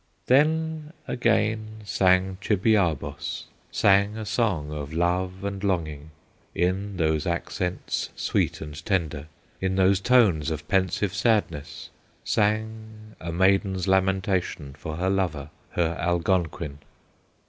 Then again sang Chibiabos, Sang a song of love and longing, In those accents sweet and tender, In those tones of pensive sadness, Sang a maiden's lamentation For her lover, her Algonquin.